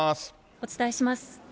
お伝えします。